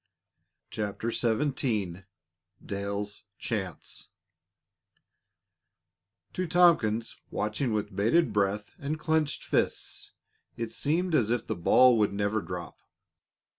CHAPTER XVII DALE'S CHANCE To Tompkins, watching with bated breath and clenched fists, it seemed as if the ball would never drop.